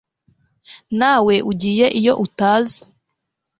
nawe ugiye iyo utazi